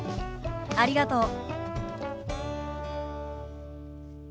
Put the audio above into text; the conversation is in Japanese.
ありがとう。